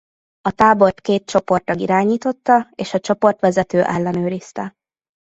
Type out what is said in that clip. A tábort két csoporttag irányította és a csoportvezető ellenőrizte.